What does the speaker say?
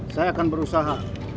saya akan berusaha